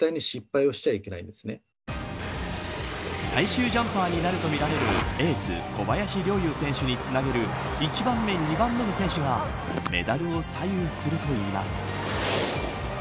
最終ジャンパーになるとみられる、エース小林陵侑選手につなげる１番目、２番目の選手がメダルを左右するといいます。